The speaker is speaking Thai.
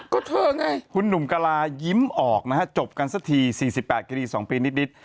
ก็เธอไงคุณหนุ่มกะลายิ้มออกนะฮะจบกันสักที๔๘คดี๒ปีนิด